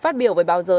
phát biểu về báo giới